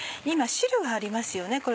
今汁がありますよね